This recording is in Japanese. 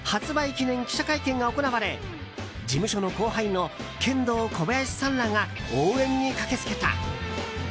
記念記者会見が行われ事務所の後輩のケンドーコバヤシさんらが応援に駆けつけた。